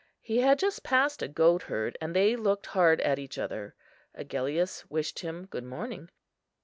He had just passed a goatherd, and they looked hard at each other. Agellius wished him good morning.